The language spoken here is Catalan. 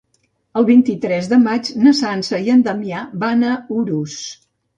El vint-i-tres de maig na Sança i en Damià van a Urús.